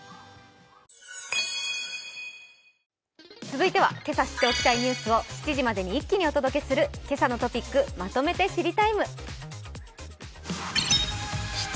続いてはけさ知っておきたいニュースを７時までに一気にお届けする「けさのトピックまとめて知りＴＩＭＥ，」。